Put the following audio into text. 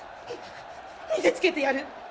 見せつけてやる。